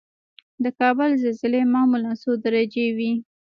د کابل زلزلې معمولا څو درجې وي؟